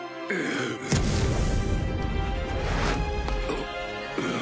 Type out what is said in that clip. あっ。